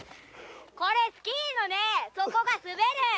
「これスキーの底が滑る」